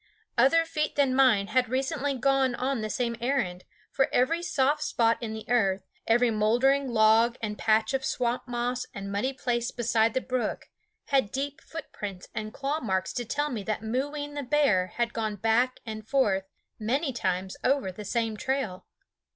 Other feet than mine had recently gone on the same errand, for every soft spot in the earth, every moldering log and patch of swamp moss and muddy place beside the brook, had deep footprints and claw marks to tell me that Mooween the bear had gone back and forth many times over the same trail.